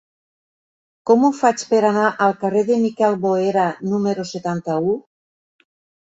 Com ho faig per anar al carrer de Miquel Boera número setanta-u?